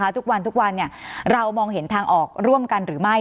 ทุกวันทุกวันเรามองเห็นทางออกร่วมกันหรือไม่